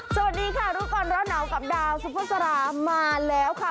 สวัสดีค่ะรู้ก่อนร้อนหนาวกับดาวสุภาษามาแล้วค่ะ